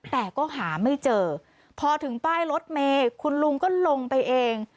แต่ก็หาไม่เจอพอถึงป้ายรถเมย์คุณลุงก็ลงไปเอง